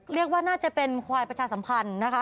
เรียกว่าน่าจะเป็นควายประชาสัมพันธ์นะคะ